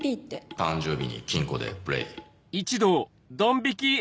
「誕生日に金庫でプレー」。